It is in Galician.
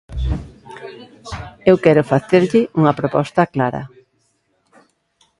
Eu quero facerlle unha proposta clara.